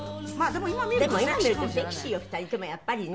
でも今見るとセクシーよ２人ともやっぱりね。